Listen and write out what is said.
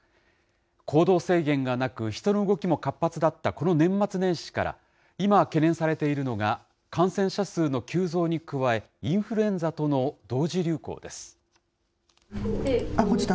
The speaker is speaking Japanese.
行動制限がなく、人の動きも活発だったこの年末年始から今懸念されているのが、感染者数の急増に加え、インフルエンザとの同時流行です。